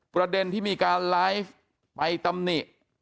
ประเด็นที่มีการไลฟ์ไปตำหนิ